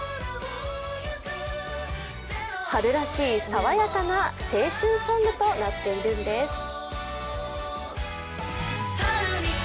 春らしい爽やかな青春ソングとなっているんです。